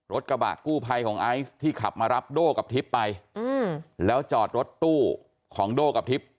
กระบะกู้ภัยของไอซ์ที่ขับมารับโด่กับทิพย์ไปแล้วจอดรถตู้ของโด่กับทิพย์